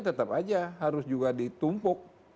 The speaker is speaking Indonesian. tetap aja harus juga ditumpuk